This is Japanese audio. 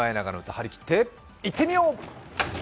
張り切っていってみよう！